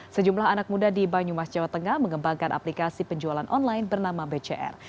sejumlah anak muda di banyumas jawa tengah mengembangkan aplikasi penjualan online bernama bcr